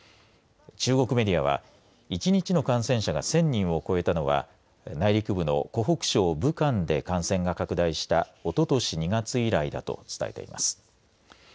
中国メディアは１日の感染者が１０００人を超えたのは内陸部の湖北省武漢で感染が拡大したおととし２月以来だと伝えています。